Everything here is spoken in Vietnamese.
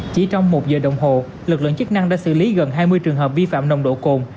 chỉ trong một giờ đồng hồ lực lượng chức năng đã xử lý gần hai mươi trường hợp vi phạm nồng độ cồn